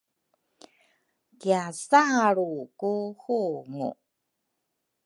Kiasaalru ku hungu